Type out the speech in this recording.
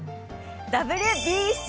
ＷＢＣ。